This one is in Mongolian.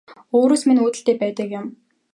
Өөрөөс минь үүдэлтэй байдаг юм